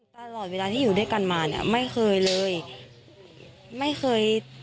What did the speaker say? ตลอดเวลาที่อยู่ด้วยกันมาไม่เคยเลย